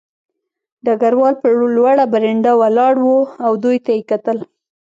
ډګروال په لوړه برنډه ولاړ و او دوی ته یې کتل